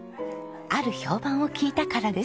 ある評判を聞いたからです。